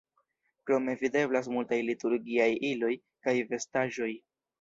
Krome videblas multaj liturgiaj iloj kaj vestaĵoj.